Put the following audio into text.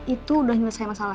itu udah selesai masalah